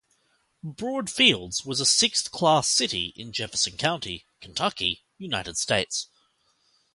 Broad Fields was a Sixth Class city in Jefferson County, Kentucky, United States.